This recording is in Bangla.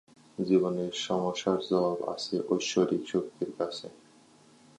জীবনের সব সমস্যার জবাব আছে ঐশ্বরিক শক্তির কাছে।